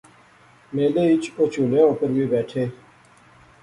میلے اچ اوہ چُہولیاں اوپر وی بیٹھے